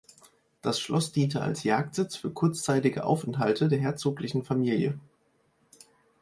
Das Schloss diente als Jagdsitz für kurzzeitige Aufenthalte der herzoglichen Familie.